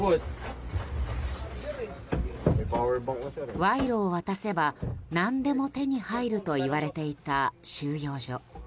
賄賂を渡せば何でも手に入るといわれていた収容所。